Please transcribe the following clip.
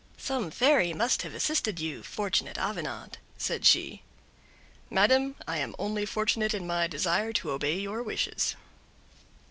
"Some fairy must have assisted you, fortunate Avenant," said she. "Madam, I am only fortunate in my desire to obey your wishes."